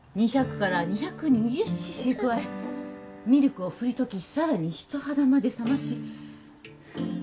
「２００から２２０ｃｃ加え」「ミルクを振り溶きさらに人肌まで冷まし」